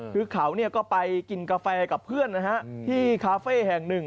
คือเขาก็ไปกินกาแฟกับเพื่อนที่คาเฟ่แห่งหนึ่ง